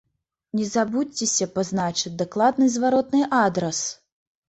Не забудзьцеся пазначыць дакладны зваротны адрас!